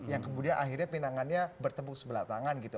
yang kemudian akhirnya pinangannya bertemu sebelah tangan gitu